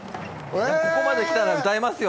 ここまで来たら歌いますよ。